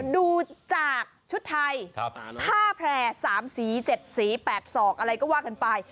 ดูจากชุดไทยผ้าแพร่๓สี๗สี๘ศอกอะไรก็ว่ากันไป